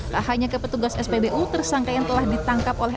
tak hanya kepetugas spbu tersangka yang telah ditangkap oleh